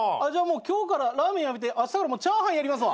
今日からラーメンやめてあしたからチャーハンやりますわ。